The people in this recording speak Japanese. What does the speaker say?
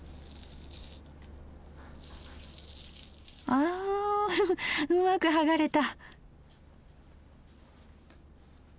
うんうまく剥がれた！